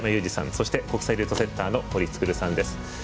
そして、国際ルートセッターの堀創さんです。